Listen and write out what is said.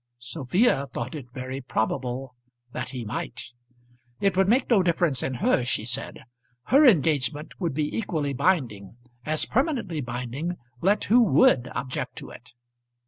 Sophia thought it very probable that he might. It would make no difference in her, she said. Her engagement would be equally binding, as permanently binding, let who would object to it.